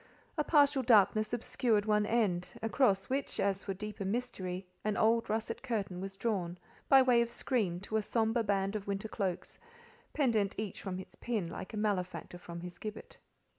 A partial darkness obscured one end, across which, as for deeper mystery, an old russet curtain was drawn, by way of screen to a sombre band of winter cloaks, pendent each from its pin, like a malefactor from his gibbet.